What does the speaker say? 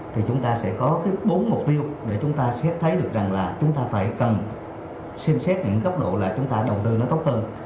thì chúng ta sẽ có cái bốn mục tiêu để chúng ta xét thấy được rằng là chúng ta phải cần xem xét những góc độ là chúng ta đầu tư nó tốt hơn